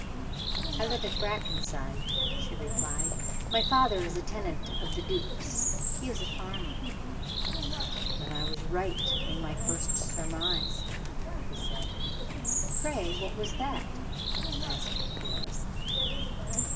"I live at Brackenside," she replied. "My father is a tenant of the duke's he is a farmer." "Then I was right in my first surmise," he said. "Pray, what was that?" asked Doris.